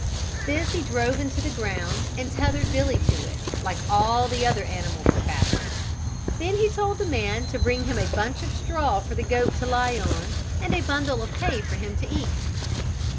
This he drove into the ground and tethered Billy to it, like all the other animals were fastened. Then he told the man to bring him a bunch of straw for the goat to lie on, and a bundle of hay for him to eat.